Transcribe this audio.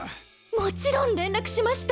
もちろん連絡しました！